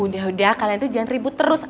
udah udah kalian tuh jangan ribut terus